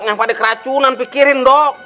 yang pada keracunan pikirin dok